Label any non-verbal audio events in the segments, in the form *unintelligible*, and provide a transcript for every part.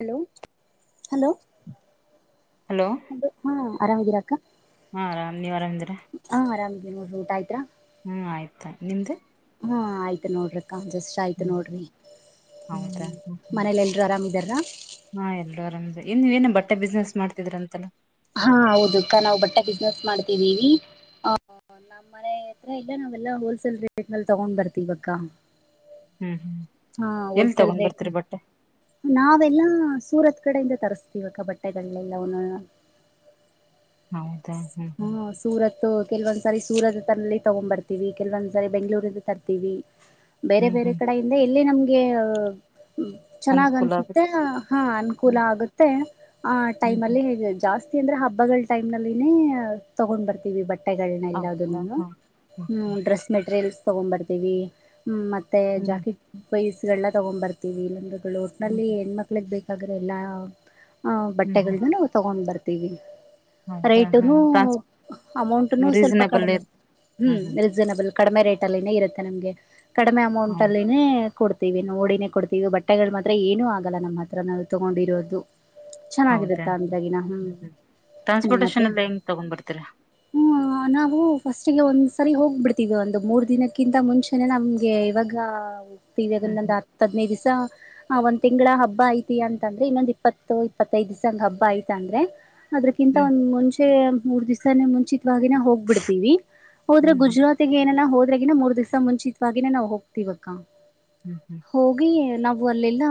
Hello. Hello hello ಹಾ ಆರಾಮಿದೀರಾ. ಹಾ ಆರಾಮ್ ನೀವ್ ಆರಾಮಿದಿರ. ನಿಮುದ್ ಊಟ ಆಯ್ತರ. ಹ್ಮ್ ಆಯ್ತಾ ಅ ನಿಮ್ದು. ಹು ಆಯ್ತು ನೋಡ್ರಿ. ಕನ್ಜಸ್ಟ್ ಆಯ್ತು ಹ್ಮ್ ನೋಡ್ರಿ ಹೌದಾ ಹ್ಮ್ ಹ್ಮ್ ಮನೇಲ್ ಎಲ್ರೂ ಆರಾಮಿದರಾ. ಇನ್ನು ಏನ ಬಟ್ಟೆ ಬಿಸ್ನೆಸ್ ಮಾಡ್ತಿದ್ರ ಅಂತೆಲ್ಲ ಹಾ ಹೌದು ಅಕ್ಕ ನಾವು ಬಟ್ಟೆ ಬಿಸ್ನೆಸ್ ಮಾಡ್ತಿದ್ದೀವಿ ಆ ನಮ್ಮ್ ಮನೆ ಹತ್ರ ಇಲ್ಲ ನಾವೆಲ್ಲ ಹೋಲ್ಸೇಲ್ ರೇಟ್ ಮಲ್ ತಗೊಂಡ್ ಬರ್ತಿೀ ಇವಕ್ಕ ಹ್ಮ್ ಹ್ಮ್ ಹಾ ಎಲ್ ಹೋಲ್ಸೆಲ್ ತಗೊಂಡ್ ರೇಟ್ ಬರ್ತೀರಿ ಬಟ್ಟೆ ನಾವೆಲ್ಲಾ ಹ ಸೂರತ್ ಕಡೆಯಿಂದ ತರಿಸಸ್ತಿವಕ್ಕ ಬಟ್ಟೆಗಲೆ ಎಲ್ಲ ಹೌದಾ ಹ್ಮ್ ಹಾ ಹ್ಮ್ ಸೂರತ್ ಕೆಲವೊಂದ್ಸಾರಿ ಸೂರತ್ ಲ್ಲಿ ತಗೊ ಬರ್ತೀವಿ ಕೆಲವೊಂದ್ಸರಿ ಬೆಂಗಳೂರಿಂದ ತರ್ತಿವಿ ಬೇರೆ ಹ್ಮ್ ಬೇರೆ ಹ್ಮ್ ಕಡೆಯಿಂದ ಇಲ್ಲಿ ನಮ್ ಹ್ ಹ್ಮ ಚೆನ್ನಾಗ್ ಅನುಕೂಲ ಆಗುತ್ತೆ ಅನ್ಸುತ್ತೆ ಹಾ ಅನುಕೂಲ ಹ್ಮ್ ಆಗುತ್ತೆ ಆ ಹ್ಮ್ ಟೈಮ್ ಹ್ಮ್ ಅಲ್ಲಿ ಹೇಗ್ ಜಾಸ್ತಿ ಅಂದ್ರೆ ಹಬ್ಬಗಳ ಟೈಮ್ ನಲ್ಲಿನೇ ತಗೊಂಡ್ ಬರ್ತೀವಿ ಬಟ್ ತಟ್ಟೆಗಳನ್ನೆಲ್ಲ ಹೌದಾ ಹಾ ಹ್ಮ್ ಡ್ರೆಸ್ ಮೆಟೀರಿಯಲ್ಸ್ ತಗೊ್ಂಬರ್ತೀವಿ ಹ್ಮ ಮತ್ತೆ ಹ್ಮ್ ಜಾಕಿಟ್ ಪೈಸ್ ಇಲ್ಲ ತಗ್ಂಬರ್ತೀವಿ ಇಲ್ ಹ್ಮ್ ಟ್ನಲ್ಲಿ ಏನ್ ಮಕ್ಳಿಗೆ ಬೇಕು ಸಗರೆಲ್ಲ ಆ್ ಹ್ಮ್ ಹ್ಮ್ ಬಟ್ಟೆಗಳನ ತಗೊಂಡ್ ಬರ್ಾರೆ ತಿಗ ಹೌದಾ ಹಾ ರೇಟನು ಟ್ರಾನ್ಸ್ ಅಮೌಂಟ್ ನು ಸ್ವಲ್ಪ ರೀಸನೇಬಲ್ ಕಡಿಮ ಇರ್ ಹ್ಮ್ ಹ್ಮ್ ಹ್ಮ ರೀಸನಬಲ್ ಕಡಿಮೆ ರೇಟ್ ಅಲ್ಲಿನೇ ಇರುತ್ತೆ ನಮ್ಗೆ ಕಡಿಮೆ ಅಮೌಂಟ್ ಹೌ ಅಲ್ಲಿನೆ ಕೊಡ್ತ ವಿ ನೋಡಿನೇ ಕೊಡ್ತೀವಿ ಬಟ್ಟೆಗಳು ಮಾತ್ರ ಏನುೂ ಆಗಲ್ಲ ನಮ್ಮ ಹತ್ರ ನಾವು ತಗೊಂಡಿರೋದು ಹೌದಾ ಚೆನ್ನಾಗಿರುತ್ತ *inaudible* ಹ್ಮ್ ಟ್ರಾನ್ಸ್ಪೋರ್ಟೇಶನ್ ನಮ್ಮತ್ರೆ ಎಲ್ಲ ಹೆಂಗ ತಗೊಂಡ್ ಬರ್ತೀರ ಗ ಒಂದ್ ಸರಿ ಹೋಗ್ಬಿಡ್ತೀವಿ ಒಂದು ಮೂರ್ ದಿನಕ್ಕಿಂತ ಮುಂಚೆನೆ ನಮ್ಗೆ ಇವಾಗ *inaudible* ಹತ್ತು ಹ್ಮ್ ಹ್ಮ್ ಹದನೈದು ದಿವಸ ಆ ಒಂದ್ ತಿಂಗಂಗಳ ಹಬ್ಬ ಐತಿ ಅಂತ ಅಂದ್ರೆ ಇನ್ನೊಂದ್ ಇಪ್ಪತ್ತು ಇಪ್ಪತ್ತೈದು ದಿವ್ಸಂಗ ಹಬ್ಬ ಐತ ಅಂದ್ರೆ ಅದಕ್ಕಿಂತ ಒಂದು ಮುಂಚೆ ಮೂರು ದಿವಸಾನೇ ಮುಂಚೆ ಹೋಗ್ಬಿಡ್ತಿವಿ ಹೋದ್ರ ಹ್ಮ್ ಹ್ಮ್ ಹ್ಮ್ ಗುರಾತಿ ಏನ ಹೋದ್ರ ಇದ್ರಗಿನ ಮೂರ್ ದಿವಸ ಮುಂಚಿತತ್ವಾಗಿನನೆ ನಾ ಹೋಗ್ತಿವಾ ಹ್ಮ್ ಹ್ಮ್ ಹೋಗಿ ನಾವು ಅಲ್ಲೆಲ್ಲಾ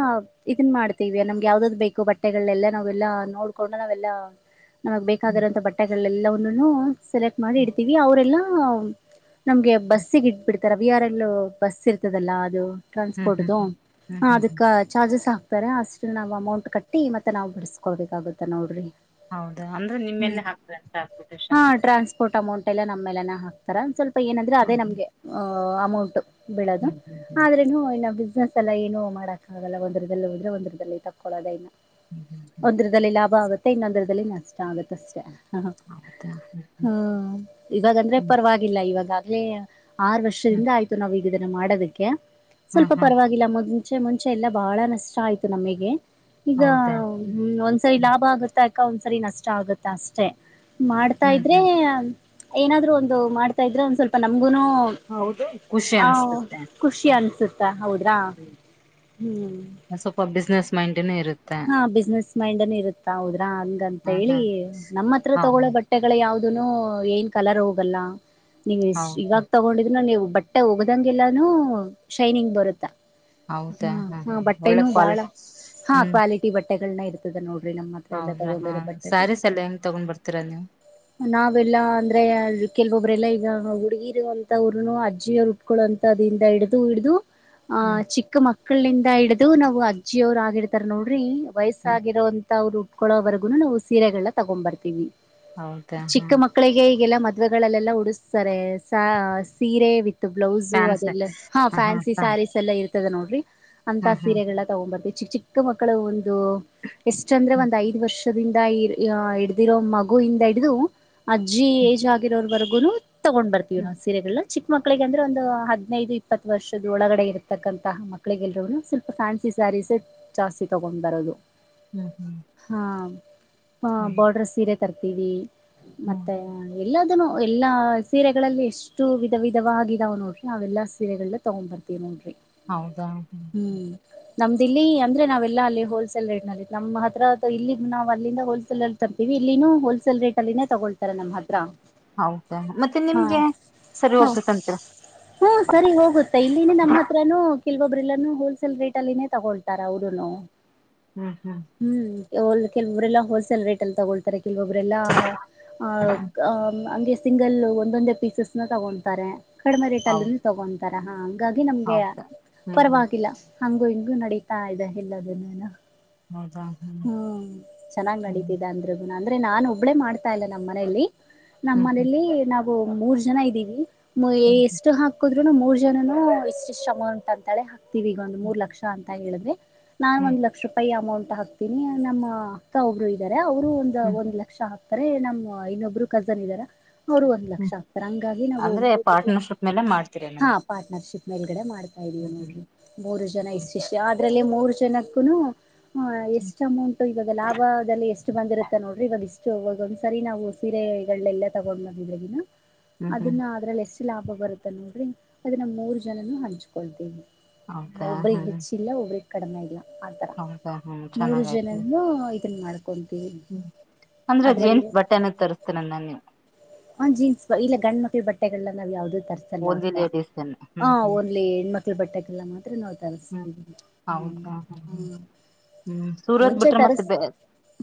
ಇದನ್ ಮಾಡ್ತೀವ್ಯಾ ನಮ್ಗೆ ಯಾವ್ದ್ದ್ ಬೇಕು ಬಟ್ಟೆಗಳೆಲ್ಲ ನಾವೆಲ್ಲಾ ನೋಡ್ಕೊಂಡು ನಾವೆಲ್ಲಾ ನಮಗ್ ಹ್ಮ್ ಬೇಕಾಗಿರೋಂತಥ ಬಟ್ಟೆಗಳಲ್ಲಿ ಲೌನುನು. ಸೆಲೆಕ್ಟ್ ಮಾಡಿ ಇಡ್ತೀವಿ ಅವ್ರೆಲ್ಲಾ. ಹ ನಮ್ಗೆ ಬಸ್ಸಿಗ್ ಇಟ್ಬಿಡ್ತಾರೆ ವಿ ಆರ್ ಎಲ್ ಬಸ್ ಇರ್ತದಲ್ಲ ಅದು. ಹ್ಮ್ ಹ್ಮ್ ಹ್ಮ್ ಟ್ರಾನ್ಸ್ಪೋರ್ಟದು ಹ್ಮ್ ಹ್ಮ್ ಹಾ ಹ್ಮ್ ಹ್ಮ್ ಅದಕ ಚಾರ್ಜಸ್ಸಾ ಬರೆ ಅಷ್ಟ ನಾವ್ ಅಮೌಂಟ್ ಕಟ್ಟಿ ಮತ್ತೆ ನಾವ್ ಬಿಡ್ಸ್ಕೊಳ್ಬೇಕಾಗುತ್ತಾ ನೋಡ್ರಿ. ಹೌದ ಅಂದ್ರೆ ನಿಮ್ಮೆಲ್ಲೇ ಹಾಕ್ತ ಟ್ರಾನ್ಸ್ಪೋರ್ಟೇಶನ್ದು. ಟೆಲ್ಲ ನಮ್ಮೆಲ್ಲಾ ಹಾಕ್ತಾರ್ ಒಂಸ್ವಲ್ಪ್ ಏನಂದ್ರೆ ಅದೇ ಹ್ಮ್ ನಮ್ಗೆ ಹ. ಆ ಅಮೌಂಟು. ಬೆಳೋದು ಹ್ಮ್ ಹ್ಮ್ ಆದ್ರೆನು ಇನ್ನ ಬಿಸ್ನೆಸ್ ಸಲ ಏನು ಮಾಡಕಾಗಲ್ಲ ಒಂದ್ರದಲ್ಲಿ ಹೋದ್ರೆ ಒಂದ್ರದಲ್ಲಿ ತಕ್ಕೊಳೋದೇನ. ಒಂದ್ರದಲ್ಲಿ ಲಾಭ ಆಗುತ್ ತ್ತೆ ಇನ್ನೊಂದರದಲ್ಲಿ ನಷ್ಟ ಆಗುತ್ತಷ್ಟೆ. ಹಾ ಹ್ಮ್ ಹ್ಮ ಇವಾಗಂದ್ರೆ ಹ್ಮ್ ಹ್ಮ್ ಪರವಾಗಿಲ್ಲ ಇವಾಗ *unintelligible* ಆರು ಹ್ಮ್ ಹ್ಮ್ ಹೌದಾ ಹ್ಮ್ ಹ್ಮ್ ಹ್ಮ್ ಹ್ಮ್ ವರ್ಷದಿಂದ ಆಯ್ತು ನಾವೀ ಇದನ್ನ ಮಾಡೋದಿಕ್ಕೆ. ಹಾ ಸ್ವಲ್ಪ ಹಾ ಪರವಾಗಿಲ್ಲ ಮೊದ್ ಮುಂಚೆ ಮುಂಚೆ ಎಲ್ಲಾ ಬಹಳ ನಷ್ಟಾ ಆಯಿತು ನಮಿಗೆ ಈಗ ಹೌದಾ ಹ್ಮ್ ಹ್ಮ ಒಂದ್ ಸೈಡ್ ಹ್ಮ್ ಲಾಭ ಆಗು ಅದಕ ಒಂದ್ಸರಿ ನಷ್ಟಾ ಆಗುತ್ತಾ ಅಷ್ಟೆ. ಮಾಡ್ತಾ ಹ್ಮ್ ಇದ್ರೆ ಹ್ಮ್ ಆನ್ ಏನಾದ್ರು ಒಂದು ಮಾಡ್ತಾ ಇದ್ರೆ ಒಂದ್ ಸ್ವಲ್ಪ ನಮ್ ಇವನು ಹೌದು ಖುಷಿ ಆ ಅನ್ಸತುತ್ತೆ ಖುಷಿ ಹ್ಮ್ ಅನ್ಸುತ್ತಾ ಹೌದ್ರಾ ಹ್ಮ್ ಹ್ಮ್ ಮಂಡೆನೆ ಇರೋ ಹಾ ಬಿಸ್ನೆಸ್ ಮೈಂಡ್ನೆ ಇರುತ್ತ. ಹೌದ ಹಂಗಂತ ಹ್ಮ್ ಹೇಳಿ ಹ್ಮ್ ನಮ್ಮ ಹತ್ರ ಹೌದು ತಗೊಳೋ ಬಟ್ಟೆಗಳು ಯಾವ್ದ ಇದನು ಏನ್ ಕಲರ್ ಹೋಗಲ್ಲ ನೀವು ಎಷ್ಟ್ ಹೌದು ಇವಾಗ ತಗೊಂಡಿದ್ರ ನೀವು ಬಟ್ಟೆ ಒಗ್ದಂಗಗೆಲ್ಲಾನು ಶೈನಿಂಗ್ ಬರುತೆ. ಹೌದಾ ಹಾ ಹಾ ಒಳ್ಳೆ ಬಾಳ ಕ್ವಾಲಿಟಿ ಹಾ ಹ್ಮ್ ಕ್ವಾಲಿಟಿ ಬಟ್ಟೆಗಳನ್ನ ಇಡ್ತದ ನೋಡು. ನಮ್ಹತ್ರ ಎಲ್ಲಾ ಹೌದ್ರಾ ಹಾ ತಗೊಂಡಿರೋ ಬಟ್ಟೆಗಳು ಸ್ಯಾರೀಸ್ ಎಲ್ಲ ಹೆಂಗ್ ತಗೊಂಡ್ ಬರ್ತೀರಾ ನೀವು ನಾವೆಲ್ಲಾ ಅಂದ್ರೆ ಕೆಲವೊಬ್ಬರಲ್ಲ ಈಗ ಹುಡುಗಿರುಂತವರುನು ಅಜ್ಜಿಯವರು ಉಟ್ಕೊಳ್ಳೋಂತದಿಂದ ಹಿಡಿದು ಹಿಡಿದು ಆ ಹ್ಮ್ ಚಿಕ್ಕ ಮಕ್ಕ ಮಕ್ಕಳಿಂದ ಹಿಡದು ನಾವು ಅಜ್ಜಿಯ ಅವ್ರು ಆಗೀರ್ ತರ ನೋಡ್ರಿ ಹ್ಮ್ ವಯಸ್ಸಾಗಿರುವಂತ ಅವ್ರು. ಕೊಳ್ಳೋವರೆಗುನು ನಾವು ಸೀರೆಗಳನ್ನ ತಗೊ ಬರ್ತೀವಿ ಹೌದಾ ಹಾ ಚಿಕ್ಕ ಮಕ್ಕಳಿಗೆ ಎಲ್ಲ ಮದ್ವೆಗಳಲ್ಲೆಲ್ಲ ಉಡಿಸ್ತಾರೆ ಸಾ ಸೀರೆ ವಿ ಬ್ಲೌಸು ಫ್ಯಾನ್ಸ್ ಅದೆಲ್ಲ ಹಾ ಫ್ಯಾನ್ಸಿ ಸ್ಯಾರೀಸ್ ಎಲ್ಲ ಇ ತದ ನೋಡ್ರಿ ಅಂತ ಹಾ ಹಾ ಸೀರೆಗೆಳ ತಗೊ ಬರ್ತಿವ್ ಚಿಕ್ ಚಿಕ್ ತು ಮಕ್ಕಳು ಒನ್ ದು ಎಷ್ಟ ಅಂದ್ರೆ ಹ್ಮ್ ಒಂದ್ ಐದ್ ವರ್ಷ ದಿಂದ ಹಿಡ್ದಿರೋ ಮಗು ಇಂದ ಹಿಡಿದು ಅಜ್ಜಿ ಹ್ಮ್ ಏಜ್ ಆಗಿರೋರು ವರ್ಗು ಗುರು ತಗೊಂಡ್ ಬರ್ತೀವಿ ಹ್ಮ್ ನಾವು ಸೀರೆಗಳ ಚಿಕ್ಕ ಮಕ್ಕಳಿಗೆ ಅಂದ್ರೆ ಒಂದು ಹದಿನೈದು ಇಪ್ಪತ್ತು ವರ್ಷದ ಒಳಗಡೆ ಇರತಕ್ಕಂತಹ ಮಕ್ಕಳಿಗೆಲ್ರೂನು ಸ್ವಲ್ಪ ಫ್ಯಾನ್ಸಿ ಸ್ಯಾರೀಸ್ ಜಾಸ್ತಿ ತಗೊಂಡ್ ಬರೋದು ಹ್ಮ್ ಹ್ಮ್ ಹಾ ಹ್ಮ್ ಬೋರ್ಡರ್ ಸೀರೆ ತರ್ತೀವಿ ಹ್ಮ್ ಮತ್ತೆ ಲೆ ಎಲ್ಲದನು ಎಲ್ಲಾ ಸೀರೆಗಳಲ್ಲಿ ಎಷ್ಟು ವಿಧ ವಿಧವಾಗಿದಾವೆ ನೋಡ್ರಿ ಅವೆಲ್ಲಾ ಸೀರೆಗಳಲ್ಲ ತಗೊಂಡ್ ಬರ್ತೀವಿ ನೋಡ್ರಿ ಹೌದಾ ಹ್ಮ್ ಹ್ಮ್ ನಮ್ದಿಲ್ಲಿ ಅಂದ್ರೆ ನಾವೆಲ್ಲ ಅಲ್ಲಿ ಹೋಲ್ಸೇಲ್ ರೇಟ್ ನಲ್ಲಿ ನಮ್ಮ ಹತ್ರ ಇಲ್ಲಿ ನಾವು ಅಲ್ಲಿಂದ ಹೋಲ್ಸೇಲ್ ಅಲ್ಲಿ ತರ್ತೀವಿ ಇಲ್ಲಿನೂ ಹೋಲ್ಸೇಲ್ ರೇಟ್ ಅಲ್ಲಿನೆ ತಗೊಳ್ತಾರೆ ನಮ್ಮ್ ಹತ್ರ ಹೌದಾ ಮತ್ತೆ ಹಾ ನಿಮ್ಗೆ ಸರಿ ಹೋಗ್ತ ತಂತ್ರ ಹ್ಮ ಸರಿ ಹೋಗುತ್ ತ ಇಲ್ಲಿನಿ ನಮ್ಮ ಹತ್ರನು ಕೆಲವೊಬ್ಬರನ್ನೆಲ್ಲ ಹೋಲ್ಸೇಲ್ ರೇಟ್ ಅಲ್ಲಿನ ತಗೊಳಿ ತರ ಅವ್ರುನು ಹ್ಮ್ ಹ್ಮ್ ಲ್ ಕೆಲವರೆಲ್ಲ ಹೋಲ್ಸೇಲ್ ರೇಟ್ ಅಲ್ಲಿ ತಗಳ್ತಾರೆ ಕೆಲವೊಬ್ಬರೆಲ್ಲ ಹ್ಮ್ ಸಿಂಗಲ್ ಒಂದೊಂದೇ ಪೀಸಸ್ ನ ತಗೊತಾರೆ ಕಡಿಮೆ ಹೌದ ರೇಟಲ್ಲಿ ತಗೋಂತಾರೆ ತರಹಂ ಹಾಗಾಗಿ ನಮ್ಗೆ ಹೌದಾ ಹ್ಮ್ ಹ್ಮ್ ಪರವಾಗಿಲ್ಲ ಹಂಗು ಹಿಂಗು ನಡೀ ತಾ ಇದೆ ಇಲ್ಲದ ನಾನ ಹ್ಮ್ ಚೆನ್ನಾಗ್ ಹ್ಮ್ ನಡೆತಿದೆ ಅಂದ್ರೆ ಅಂದ್ರೆ ನಾನ್ ಒಬ್ಬಳೆ ಮಾಡ್ತಾ ಇಲ್ಲ ನಮ್ಮ ಮನೆಯಲ್ಲಿ ನಮ್ಮ ಹ್ಮ್ ಹ್ಮ್ ಮನೇಲಿ ನಾವ ಮೂರ್ ಜನ ಇದ್ದೀವಿ ಹ್ಮ್ ಎಷ್ಟು ಹಾಕುದು ಇ ಮೂರ್ ಜನನು ಇಷ್ಟ ಇಷ್ಟ್ ಅಮೌಂಟ್ ಅಂತಳೆ ಹ ೀ ಈಗ ಒಂದು ಹ್ಮ್ ಮೂರು ಲಕ್ಷ ಅಂತ ಐ ಹೇಳಿದ್ರೆ ನಾನನ್ ಹ್ಮ್ ಒಂದು ಲಕ್ಷ ರೂಪಾಯಿ ಅಮೌಂಟ್ ಹಾಕ್ತಿನನಿ ನಮ್ಮತ ಒಬ್ರು ಾರೆ ಅವರು ಒಂದ ಹ್ಮ್ ಒಂದ್ ಲಕ್ಷ ಹಾಾರೆ ಅರೆ ನಮ್ಮ್ ಇನ್ನೊಬ್ರು ಕಜನ್ ಇದಾರ ಅವರು ಒಂದ್ ಲಕ್ಷ ಹ್ಮ್ ಆಗ್ತಾರೆ ಹಂಗಾಗಿ ನಾವು ಅಂದ್ರೆ ಪಾರ್ಟ್ನರ್ಶಿಪ್ ಮೇಲೆ ಮಾಡ್ತೀರಾ ಹಾ ನಮ್ಗೆ ಪಾರ್ಟ್ನರ್ಶಿಪ್ ಮೇಳಗಡೆ ಮಾಡ್ ಆಯ ಹ್ಮ್ ಹ್ಮ್ ನ ಮೂರ ಜನಾಯಿಸಿ ಷ ಅದ್ರಲ್ಲೇ ಮೂರು ಜನಕ್ಕನೂ ಹಾ ಎಷ್ಟು ಅಮೌಂಟ್ ಇವಾಗ ಲಾಭದಲ್ಲಿ ಎಷ್ಟು ಬಂದಿರುತ್ತೆ ನೋಡ್ರಿ ಇವಾಗ ಇಷ್ಟು ಇವಾಗ ಒಂದ್ಸರಿ ನಾವು ಸೀರೆಗಳೆಲ್ಲ ತಗೊಂಡ್ಿದ್ರ ಹ್ಮ್ ಹ್ಮ್ ಅದನ್ನ ಅದ್ರಲ್ಲಿ ಎಷ್ಟ ಲಾಭ ಬರುತ್ತೆ ನೋಡ್ರಿ ಅದನ್ನು ಮೂರು ಜನನು ಹಂಚ್ಕೊಳ್ತೀವಿ ಹೌದಾ ಹ್ಮ ಇಲ್ಲ ಒಬ್ರ ಕಡಿಮೆ ಇಲ್ಲ ಆತರ ಮೂರು ಜನನು ಮಾಡು ಹ್ಮ ಅಂದ್ರೆ ಜೆಂಟ್ಸ್ ಬಟ್ಟೆನ ತರಿಸ್ತೇನ ಎನ್ ನೀವು ಹಾ ಜೀನ್ಸ್ ಇಲ್ಲ ಗಂಡ ಮಕ್ಳ ಬಟ್ಟೆಗಳನ್ನ ನಾವ್ ಯಾವ್ದ ತರಸಲ್ಲ ಓನ್ಲಿ ಅಕ್ಕಾ ಲೇಡೀಸ್ ಅನ್ನ ಹಾ ಹ್ಮ್ ಹ್ಮ್ ಓನ್ಲಿ ಹೆಣ್ಮಕ್ಳ ಬಟ್ಟೆಗಳನಾ ಮಾತ್ರ ನಾವು ಹ್ಮ್ ತರಸ್ತಿದ್ವಿ ಹಾ ಹೌದಾ ಹ್ಮ್ ಹೂ ಹ್ಮ್ ಹ್ಮ್ ಸೂರತ್ ಮುಂಚೆ ಬಿಟ್ರೆ ಮತ್ತೆ ತರಸ ಬೆ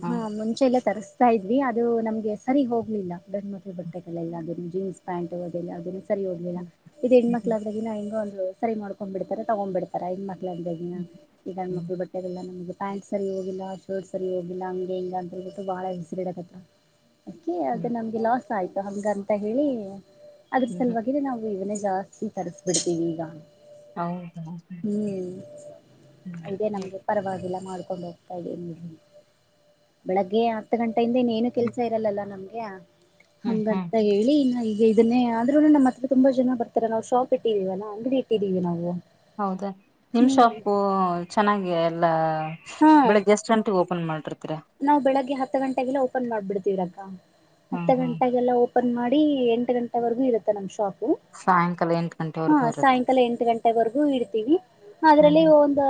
ಹ್ಮ್ ಮುಂಚೆ ಎಲ್ಲಾ ತರಸ್ತಾ ಇದ್ವಿ ಅದು ನಮಗೆ ಸರಿ ಹೋಗ್ಲಿಲ್ಲ ಧನ್ಮ ಬಟ್ಟೆ ಗಳೆಲ್ಲಾ ಜೀನ್ಸ್ ಪ್ಯಾಂಟ್ ಅದೆಲ್ಲಾ ಸರಿ ಹೋಗಲಿಲ್ಲ ಹ್ಮ್ ಇದು ಹ್ಮ್ ಹೆಣ್ಮಕ್ಳ ಹ್ಮ್ ಆದಾಗಿ ಹೆಂಗೋ ಸರಿ ಮಾಡ್ಕೊಂಡ್ ಬಿಡ್ತಾರೆ ತಗೊಂಡ್ ಬಿಡ್ತಾರೆ ತಂಡಾಗಿನಾ ಹ್ಮ್ ಈ ಗಂಡ ಹ್ಮ್ ಮಕ್ಕಳ ಬಟ್ಟೆೆಗೆಲ್ಲ ನಮ್ಗೆ ಪ್ಯಾಂಟ್ ಸರಿ ಹೋಗಿಲ್ಲ ಶರ್ಟ್ ಸರಿ ಹೋಗಿಲ್ಲ ಹಗೆ ಹಿಂಗಗೆ ಅಂತೇಳ್ಬಿಟ್ಟು ಭಾಳ ಹೆಸರಿಡಕತ್ತರಾ ಅದಕೆ ಹ್ಮ್ ಅದು ನಮಗೆ ಲಾಸ್. ಆಯ್ತು ಹಂಗ ಅಂತ ಹೇಳಿ ಅದ್ರ ಹ್ಮ್ ಹ್ಮ್ ಸಲುವಾಗಿನ ನಾವು ಇನ ಜಾಸ್ತಿ ತರಿಸ್ಬಿಡ್ತೀವಿ ಈಗ ಹೌದಾ ಹ್ಮ್ ಹ್ಮ್ ಇದೇ ನಮ್ಗೆ ಹ್ಮ್ ಪರವಾಗಿಲ್ಲ ಮಾಡ್ಕೊಂಡ ಹೋಗು ಹೂ ಬೆಳಗ್ಗೆ ಹತ್ತು ಗಂಟೆ ಇಂದ ಇನ್ನೇನು ಕೆಲಸ ಇರಲಲ್ಲ ನಮಗೆ ಯಾ ಹ್ಮ್ ಹ್ಮ್ ಹಂಗಂತ ಹೇಳಿ ಇನ್ನ ಈಗ ಇದನ್ನೇ ಆದ್ರೂ ನಮ್ಮ ಹತ್ರ ತುಂಬಾ ಜನ ಬರ್ತಾರೆ ನಾವು ಶಾಪ್ ಇಟ್ಟಿದೀವಲ್ಲ ಅಂಗಡಿ ಇಟ್ಟಿದೀವಿ ನಾವು ಹೌದಾ ನಿಮ್ ಹ್ಮ್ ಶಾಪು ಚೆನ್ನಾಗೆ ಲಾ ಹಾ ಬೆಳಿಗ್ ಎಷ್ಟು ಗಂಟೆಗೆ ಓಪನ್ ಮಾಡ ನಾವು ಬೆಳಿಗ್ಗೆ ಹತ್ತು ಗಂಟೆಗೆಲ್ಲ ಓಪನ ಮಾಡ್ಬಿಡ್ತೀರಕ್ಕ ಹ್ಮ್ ಹತ್ತು ಹ್ಮ್ ಗಂಟೆಗೆೆಲ್ಲ ಓಪನ್ ಓಪನ್ ಮಾಡಿ ಎಂಟು ಗಂಟೆವರೆಗೂ ಇರುತ್ತೆ ನಮ್ಮ ಶಾಪ್ ಪು ಸಾಯಂಕಾಲ ಎಂಟು ಹಾ ಗಂಟೆವರೆಗೂ ಇರುತ್ತೆ ಸಾಯಂಕಾಲ ಎಂಟು ಗಂಟೆವರೆಗು ಇರ ತೀವಿ ಹ್ಮ್ ಅದ್ರಲ್ಲಿ ಒಂದು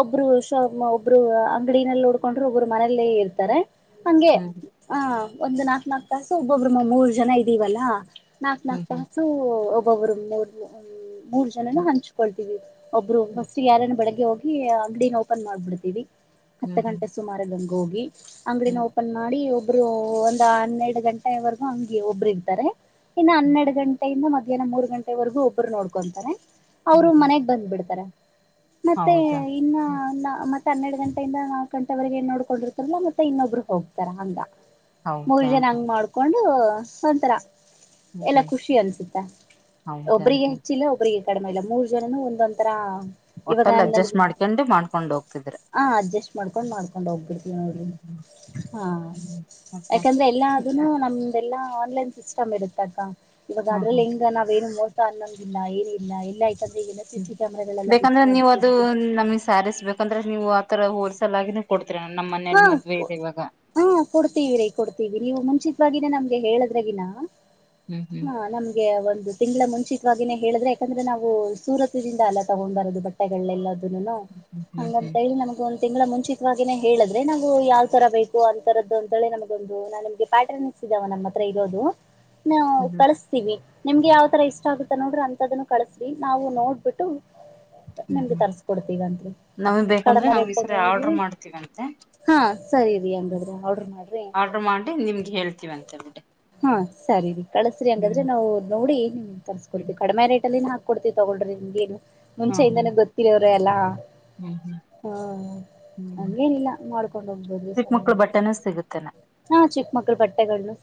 ಒಬ್ರು ಶ ಒಬ್ಬರು ಅಂಗಡಿನಲ್ಲಿ ನೋಡ್ಕೊಂಡ್ರೂ ಒಬ್ರು ಮನೆಯಲ್ಲಿ ಇರ್ತಾರೆ ಹಂಗೆ ಹ್ಮ್ ಹಾ ಒಂದು ನಾಕ ನಾಕು ತಾಸು ಒಬ್ಬೊಬ್ಬರು ಮೂರ್ ಜನ ಇದೀವಲ್ಲಾ ನಾಕ್ ನಾಕ್ ಹ್ಮ್ ಹ್ಮ್ ತಾಸು ಒಬ್ರು ಒಬ್ಬರು ಮೂರ್ ಮೂರ್ ಮೂರ್ ಜನನು ಹ್ಮ್ ಹಂಚ್ಕೊಳ್ತೀವಿ ಒಬ್ಬರು ಫಸ್ಟ್ ಯಾರನ್ ಬೆಳಿಗ್ಗೆ ಹೋಗಿ ಅಂಗಡಿನ ಓಪನ್ ಮಾಡ್ಬಿಡ್ತೀವಿ ಹ್ಮ್ ಹೊರಗ ಹಂಗ ಹೋಗಿ ಅಂಗಡಿನ ಹ್ಮ್ ಓಪನ್ ಮಾಡಿ ಒ ಒಬ್ರು ಒಂದ್ ಹನ್ನೆರಡು ಗಂಟೆವರೆಗೂ ಅಂಗೆ ಒಬ್ರು ಇರ್ತಾರೆ ಇನ ಹ್ಮ್ ಹನ್ನೆರಡು ಗಂಟೆಯಿಂದ ಮ ಮಧ್ಯಾಹ್ನ ಮೂರು ಗಂಟೆವರೆಗೂ ಒಬ್ರು ನೋಡ್ಕೊಂತಾರೆ ಅವರು ಹ್ಮ್ ಹ್ಮ್ ಮನೆಗ್ ಬಂದ್ ಬಿಡ್ತಾರೆ ಮತ್ತೆ ಹೌದಾ ಇನ್ನ ಹ್ಮ್ ಮತ್ತ ಹನ್ನೆರಡು ಗಂಟೆಯಿಂದ ನಾ ಗಂಟವರೆಗ ನ್ ನೋಡ್ಕೊಂಡಿರ್ತಾರಲ್ಲ ಮತ್ತೆ ಇನ್ನೊಬ್ಬರು ಹೋಗ್ತಾರ ಹಂಗ್ ಮೂರ್ ಹೌದಾ ಜನ ಹಂಗ್ ಹ್ಮ್ ಮಾಡ್ಕೊಂಡು ಬಸ್ ಒಂತರ ಹ್ಮ್ ಏನೋ ಹ್ಮ್ ಖುಷಿ ಅನ್ಸುತ್ತ ಹೌದಾ ಒಬ್ಬ್ರಿಗೆ ಹ್ಮ್ ಹೆಚ್ಚಿಲ್ಲ ಒಬ್ಬ್ರಿಗೆ ಕಡಿಮೆ ಇಲ್ಲಾ ಮೂರ್ ಜನನು ಒಂದೊಂತರ ಇವಾಗ ಒಟ್ಟಲ್ ನನ್ಗೆ ಅಡ್ಜಸ್ಟ್ ಮಾಡ್ಕೊಂಡು ಮಾಡ್ಕೊಂಡ್ ಹೋಗ್ತಿದ್ರ ಕೂತ್ಕೊಂಡ ಮಾಡಕೊಂಡ ಹೋಗ್ಬಿಡ್ವಿ ನಾವ್ ಇಲಿಂದ ಹ್ಮ್ ಹ್ಮ್ ಹ ಹ್ಮ್ ಮತ್ತೆ ಯಾಕಂದ್ರೆ ಎಲ್ಲಾದುನು ನಮ್ದ ಎಲ್ಲಾ ಆನ್ಲೈನ್ ಸಿಸ್ಟಮ್ ಇರುತಕ್ಕ ಇವಾಗ ಹ್ಮ್ ಅದ್ರಲ್ ಹ್ಮ್ ಹೆಂಗ್ ನಾವ್ ಏನ ಮೋಸ ಅನಲ್ ಇಲ್ಲ ಏನಿಲ್ಲ ಎಲ್ ಆಯ್ ಹ್ಮ ಬೇಕಂದ್ರೆ ನೀವು ಅದು ಮಾಡ್ಬಿಟ್ಟಿರ್ತಾರೆ ನಮ್ಗ್ ಸ್ಯಾರೀಸ್ ಬೇಕಂದ್ರೆ ನೀವು ಆತರ ಹೊಲ್ ಸೆಲ್ ಆಗೀನು ಕೋಡ್ ಹಾ ಹ ಕೊಡ್ತೀವ್ ರೀ ಕೊಡ್ತೀವಿ ನೀವು ಮುಂಚಿತ್ವಾಗಿ ಇನ ನಮ್ಗೆ ಹೇಳಿದ್ರಗಿನ. ಹ್ಮ್ ಹ್ಮ್ ಹಾ ನಮ್ಗೆ ಒಂದ್ ಇದು ತಿಂಗ್ಳ ಮುಂಚಿತ್ವಾಗಿನೇ ಹೇಳಿದ್ರೆ ಯಾಕಂದ್ರೆ ನಾವು ಸೂರತದಿಂದ ಅಲ್ಲ ತಗೊಂಡ್ಬಾರದು ಬಟ್ಟೆಗಳೆಲ್ನೆಲ್ಲದ್ ನೆಲ್ಲ ಹ್ಮ್ ಹ್ಮ್ ಹಂಗಂತ ಹ್ಮ್ ಹೇಳಿ ನನಿಗ್ ಒಂದ್ ತಿಂಗ್ಳ ಮುಂಚಿತ್ವಾಗಿನೆ. ಹೇಳಿದ್ರೆ ನಾವು ಯಾವ್ ತರ ಬೇಕು ಅಂತರದ್ದು ಅಂತೇಳೆ ನಮಗೊಂದು ನ ನಮಗೆ ಪ್ಯಾಟರ್ನ್ ಇಸ್ ಇದಾವ ನಮ್ಮ ಹತ್ರ ಇರೋದು. ನಾವ್ ಹ್ಮ್ ಕಳುಸ್ತೀವಿ. ನಿಮ್ಗೆ ಯಾವ್ ತರ ಇಷ್ಟ ಆಗುತ್ತಾ ನೋಡ್ರಿ ಅಂತದನ್ನ ಕಳುಸ್ರಿ ನಾವು ನೋಡ್ಬುಟ್ಟು. ಹ್ಮ್ ಹ್ಮ ನಮ್ಗ್ ಬೇಕಂದ್ರೆ ಕಡಿಮೆ ನಾವ್ ಈ ಸರಿ ರೇಟಲ್ಲಿ ಅಡ್ರು ಮಾಡ್ತೀವಂ ಹಾ. ಸರಿ ರೀ ಹಂಗಾದ್ರ ಅಡ್ರ. ಆರ್ಡ್ರ ಮಾಡಿ ನಿಮ್ಗ ಹೇಳ್ತೀವಂತ್. ತೆ ಬುಡ್ಡೆ. ಹಾ ಸರಿ ರಿ ಕಳುಸ್ರಿ ಹಾಗಂಗಾದ್ರೆ ನಾವು ನೋಡಿ ನಿಮ್ಗ್ ಹ್ಮ್ ತರ್ಸ್ಕೊಡ್ತಿವಿ ಕಡ್ಮೆ ರೇಟಲಿನ ಹಾಕ್ ಕೊಡ್ತಿವ್ ತಗೋಳ್ರಿ ನಿಮ್ಗ್ ಏನು. ಹ್ಮ್ ಮುಂಚೆಯಿಂದನೆ ಗೊತ್ತಿರೋರ್ ರೆ ಅಲ್ಲ. ಹ್ಮ್ ಹ್ಮ್ ಹಾ ಹ್ಮ್ ಹ್ಮ್ ಹಂಗೆನಿಲ್ಲ ಮಾಡ್ಕೊಂಡ್ ಹೋಗ್ಬೋದು ಚಿಕ್ಕ ಸಲ ಮಕ್ಳ ಬಟ್ಟೆನೂ ಸಿಗುತ್ತೇನೆ ಹಾ ಚಿಕ್ಕ ಮಕ್ಳ ಬಟ್ಟೆಗಳ್ನು.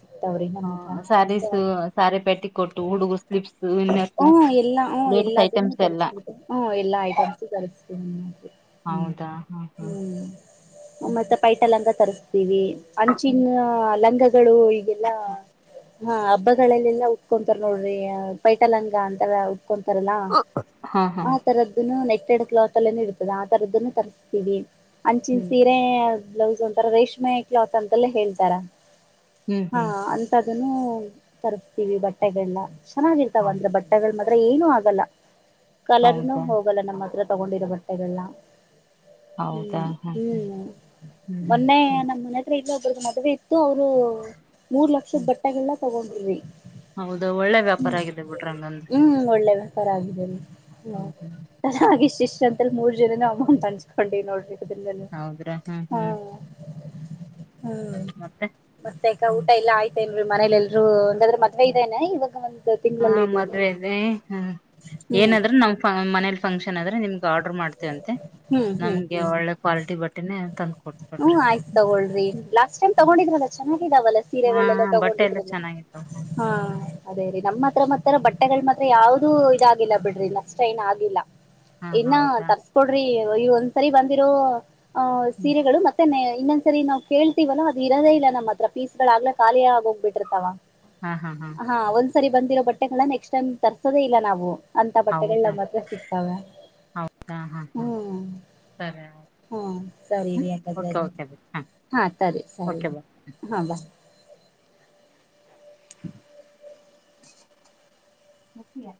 ಹ ಸ್ಯಾರೀಸು ಸಾರಿ ಪೆಟ್ಟಿ ಕೊಟ್ಟು ಹುಡ್ಗುರ್ ಸ್ಲೀಪ್ಸ್ ಹು ಎಲ್ಲಾ ಹು ಎಲ್ಲದನ್ನೂ ಐಟಮ್ಸ್ ಎಲ್ಲ ತರುಸ್ಬೊದು ಹು ಎಲ್ಲಾ ಐಟಮ್ಸು ತರಸ್ *unintelligible* ಹ್ಮ ಹೌದಾ ಹಾ ಹ್ಮ್ ಮತ್ತೆ ಪೈಸ ಲಂಗ ತರಿಸಸ್ತೀವಿ ಅಂಚಿನ ಲಂಗಕ್ ಗಳು ಈಗೆಲ್ಲ. ಹಾ ಹಬ್ಬಗಳಲ್ಲೆಲ್ಲ ಉಟ್ಕೊಂತರ್ ನೋಡ್ರಿ ಅ. ಪೈಟ ಲಂಗ ಅಂತರ ಉ ಹಕೊಂತಾರಲ್ಲ ಹಾ ಹಾ ಹಾ ಆ ತರದುನು ನೆಕ್ ಕೆಡ್ ಕ್ಲಾತೆಲೆನು ಇರ್ತದ ಆ ತರದನ್ನೂ ತರ್ಸ್ತೀವಿ. ಅಂಚಿನ್ ಹ್ಮ್ ಸೀರೆ ಅ ಬ್ಲೌಸ್ ಒಂತರ ರೇಷ್ಮೆ ಕ್ಲಾತ್ ಅಂತೆಲ್ಲೇ ಹೇಳ್ತಾರ. ಹ್ಮ್ ಹಾ ಹ್ಮ್ ಅಂತ ಗನ್ನು ತರಿಸ್ತಿವಿ ಬಟ್ಟೆಗಳ್ನ ಚೆನ ತವ್ ಹೌ ಅಂದ್ರೆ ಬಟ್ಟೆಗಳ್ ಮ ಅತ್ರ ಏನು ಆಗಲ್ಲ. ಕಲರ್ನು ಹೌದಾ ಹೋಗಲ್ಲ ನಮ್ ಹತ್ರ. ತಗೊಂಡಿರೊ ಬಟ್ಟೆಗಳ್ನ. ಹೌದಾ ಹ್ಮ್ ಹಾ ಹಾ ಹ್ಮ್ ಹ್ಮ್ ಮೊನ್ನೆ ಹ್ಮ್ ನಮ್ಮ್ ಮನೆ ಹತ್ರ ಇಲ್ಲೊಬ್ ಇವ್ರು ಮದ್ವೆ ಇತ್ತು ಅವ್ರು. ಮೂರ್ ಲಕ್ಷದ್ ಬಟ್ಟೆಗಳ್ನ. ತಗೊಂಡ್ವಿ ಹೌದ ಒಳ್ಳೆ ವ್ಯಾಪಾರ ಆಗಿದೆ ಬಿಡ್ ಹ್ಮ್ ಒಳ್ಳೆ ವ್ಯಾಪಾರ ಆಗಿದ್ದೇರಿ ಹ್ಮ. ಹ್ಮ್ ಹ್ಮ್ *unintelligible* ಇಷ್ಟ್ ಇಷ್ಟ್ ಅಂತೆಳಿ ಮೂರ್ ಜನನು ಅಮೌಂಟ್ ಹಂಚ್ ಕೊಂಡ್ರಿ ನೋಡ್ರಿ. *unintelligible* ಹೌದ್ರಾ ಹ್ಮ್ ಹ್ಮ ಹ್ಮ್ ಹ್ಮ್ ಮತ್ತೆ ಮತ್ತೆ ಅಕ್ಕ ಊಟ ಎಲ್ಲ ಆಯ್ತ ಎಲ್ ರು ಮನೇಲ್ ಎಲ್ರು. ಹಂಗಂದ್ರೆ ಮದ್ವೆ ಇದೇನೆ ಇವಾಗ ಒಂದು. ಹಾ ಮದ್ವೆ ಇದೆ ಹ್ಮ ಹ್ಮ್ ಏನಾದ್ರೂ ನಮ್ ಮನೇಲಿ ಫಂಕ್ಷನ್. ಅಂದ್ರೆ ನಿಮ್ ಗಾ ಆರ್ಡರ್ ಮಾಡ್ತೇವಂತೆ ಹ್ಮ್ ಹ್ಮ್ ನಮ್ಗೆ ಹ್ಮ್ ಒಳ್ಳೆ ಕ್ವಾಲಿಟಿ ಬಟ್ಟೆನೆ ತಂ ಹ್ಮ್ ಆಯ್ತ ತಗೋಳ್ರಿ ಲಾಸ್ಟ್ ಟೈಮ್ ತಗೊಂಡಿದ್ರಲ್ಲ ಚೆನ್ನಗ್ ಇದಾವಲ್ಲ ಹಾ ಹಾ ಸೀರೆಗಳೆಲ್ನೆಲ್ಲ ಬಟ್ಟೆ ಎಲ್ಲ ತಗೊಂಡಿದ್ರಲ್ಲ ಚೆನ್ನಾಗಿತ್ತು ಹ ಅದೇ ರೀ ನಮ್ ಹತ್ರ ಮಾತ್ರ ಬಟ್ ಬಟ್ಟೆಗಳ್ ಮಾತ್ರ ಯಾವ್ದು ಇದಾಗಿಲ್ಲ ಬಿಡ್ರಿ ನಷ್ಟ ಏನ್ ಆಗಿಲ್ಲ. ಹಾ ಇನ್ನ ಹೌದಾ ತರ್ಸ್ಕೊಡ್ರಿ. ಓ ಈ ಒಂದ್ಸರಿ ಬಂದಿರೋ. ಹ ಸೀರೆ. ದನೆ ಇನ್ನೊಂದ್ಸರಿ ನಾವ್ ಕೇಳ್ತಿವಲ್ಲ ಅದ್ ಇರದೇ ಇಲ್ಲ ನಮ್ಮ ಹತ್ರ ಪೀಸ್ಗಳ ಆಗ್ಲೇ ಖಾಲಿ ಆಗ್ ಹೋಗ್ಬಿಟಿರ್ತಾವ. ಹಾ ಹಾ ಹಾ. ಸರಿ ಬಂದಿರೋ ಬಟ್ಟೆಗಳನ್ನ ನೆಕ್ಸ್ಟ್ ಟೈಮ್ ತರ್ಸೊದೇ ಇಲ್ಲ ನಾವು. ಅಂತ ಬಟ್ಟೆಗಳಲ್ ಹೌದಾ ನಮ್ ಹತ್ರ ಸಿಗ್ತಾವ ಹೌದಾ ಹಾ ಹಾ ಹ್ಮ್ ಸರಿ ಹ್ಮ ಸರಿ ಓಕೆ ಇರಿ. ಓಕೆ ಬಾಯ್ ಹಾ ಸರಿ ಸರಿ ಓಕೆ ಹಾ ಬ. *unintelligible* ಒಪ್ಪಿಯ.